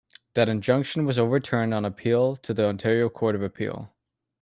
That injunction was overturned on appeal to the Ontario Court of Appeal.